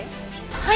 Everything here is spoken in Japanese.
はい。